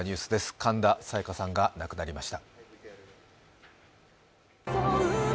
神田沙也加さんが亡くなりました。